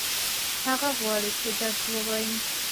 هغه غواړي چې درس ووايي.